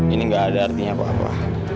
ini nggak ada artinya apa apa